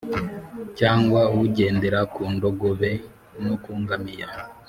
cyangwa ugendera ku ndogobe no ku ngamiya,